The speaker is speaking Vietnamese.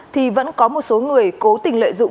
thì vẫn có một số người cố tình lợi dụng